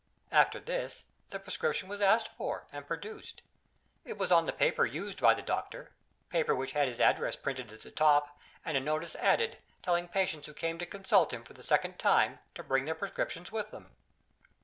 After this, the prescription was asked for, and produced. It was on the paper used by the doctor paper which had his address printed at the top, and a notice added, telling patients who came to consult him for the second time to bring their prescriptions with them.